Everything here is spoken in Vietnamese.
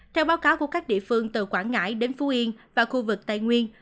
theo báo cáo của các địa phương từ quảng ngãi đến phú yên và khu vực tây nguyên